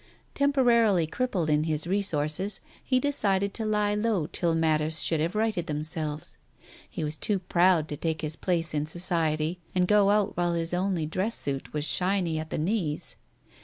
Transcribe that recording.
Temporarily crippled in his resources, he decided to lie low till matters should have righted them selves. He was too proud to take his place in society, and go out while his only dress suit was shiny at the knees.